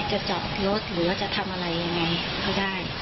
จะจอดรถหรือว่าจะทำอะไรยังไงก็ได้